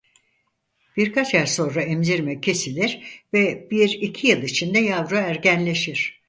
Birkaç ay sonra emzirme kesilir ve bir iki yıl içinde yavru ergenleşir.